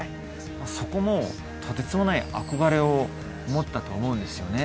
そこもとてつもない憧れを持ったと思うんですよね